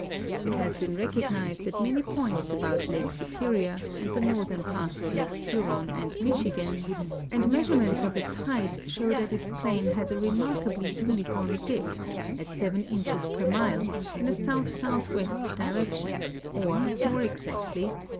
It has been recognized at many points about Lake Superior and the northern parts of lakes Huron and Michigan, and measurements of its height show that its plane has a remarkably uniform dip, at 7 inches per mile, in a south southwest direction, or, more exactly, S.